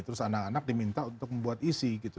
terus anak anak diminta untuk membuat isi gitu